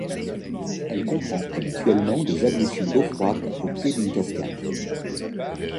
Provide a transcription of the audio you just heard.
Elle comprend habituellement des ablutions d'eau froide au pied d'une cascade.